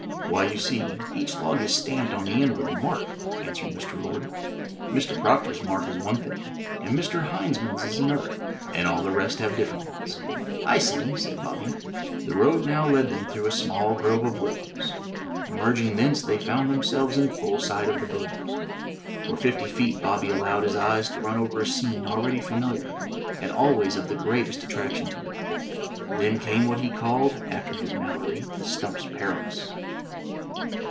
Why, you see, each log is stamped on the end with a mark," answered Mr. Orde. "Mr. Proctor's mark is one thing; and Mr. Heinzman's is another; and all the rest have different ones." "I see," said Bobby. The road now led them through a small grove of willows. Emerging thence they foimd themselves in full sight of the booms. For fifty feet Bobby allowed his eyes to run over a scene already familiar and always of the greatest attraction to him. Then came what he called, after his Malory, the Stumps Perilous.